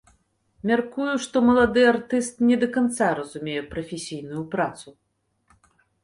Мяркую, што малады артыст не да канца разумее прафесійную працу.